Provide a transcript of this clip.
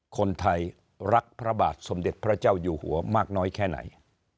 คนไทยรักพระบาทสมเด็จพระเจ้าอยู่หัวมากน้อยแค่ไหน